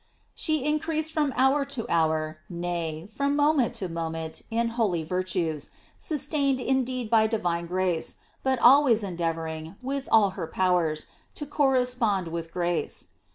She increased from hour to hour, nay, from moment to moment, in holy virtues, sus tained indeed by divine grace, but always en deavoring, with all her powers, to correspond with grace.